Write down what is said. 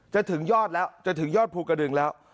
ถึงยอดแล้วจะถึงยอดภูกระดึงแล้ว